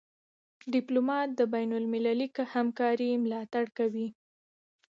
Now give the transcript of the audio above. ډيپلومات د بینالمللي همکارۍ ملاتړ کوي.